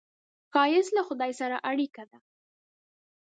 ښایست له خدای سره اړیکه ده